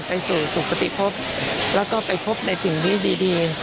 ไปสู่สุขติพบแล้วก็ไปพบในสิ่งที่ดี